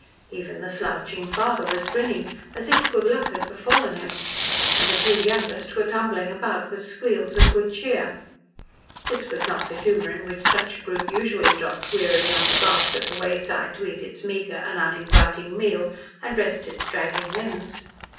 Even the slouching father was grinning, as if good luck had befallen him, and the two youngest were tumbling about with squeals of good cheer. This was not the humour in which such a group usually dropped wearily on the grass at the wayside to eat its meagre and uninviting meal and rest its dragging limbs.